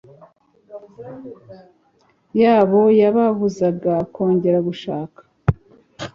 yabo yababuzaga kongera gushaka